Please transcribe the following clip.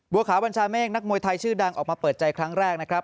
ขาวบัญชาเมฆนักมวยไทยชื่อดังออกมาเปิดใจครั้งแรกนะครับ